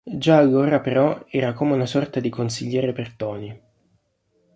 Già allora però era come una sorta di consigliere per Tony.